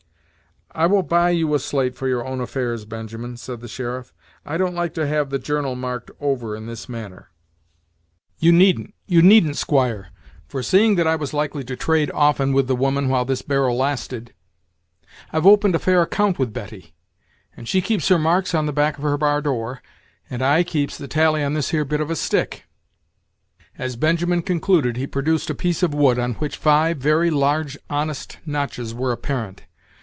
"I will buy you a slate for your own affairs, Benjamin," said the sheriff; "I don't like to have the journal marked over in this manner." "You needn't you needn't, squire; for, seeing that I was likely to trade often with the woman while this barrel lasted. I've opened a fair account with Betty, and she keeps her marks on the back of her bar door, and I keeps the tally on this here bit of a stick." As Benjamin concluded he produced a piece of wood, on which five very large, honest notches were apparent.